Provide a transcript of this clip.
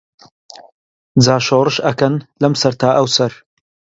جا شۆڕش ئەکەن لەم سەر تا ئەوسەر